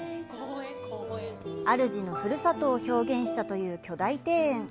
主のふるさとを表現したという巨大庭園。